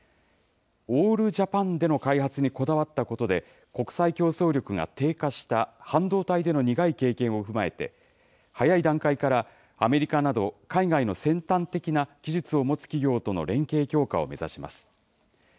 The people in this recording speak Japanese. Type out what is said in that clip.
オールジャパンでの開発にこだわったことで、国際競争力が低下した半導体での苦い経験を踏まえて、早い段階からアメリカなど海外の先端的な技術を持つ企業との連携強化を目指します。